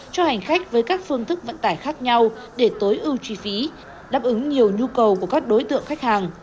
cho hành khách với các phương thức vận tải khác nhau để tối ưu chi phí đáp ứng nhiều nhu cầu của các đối tượng khách hàng